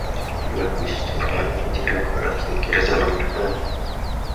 Aliwahi kuishi Ujerumani, Nigeria, Ufaransa, Uingereza na Marekani.